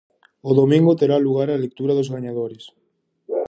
O domingo terá lugar a lectura dos gañadores.